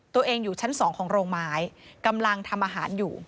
ตัวเองอยู่ชั้นสองของโรงไม้กำลังทำอาหารอยู่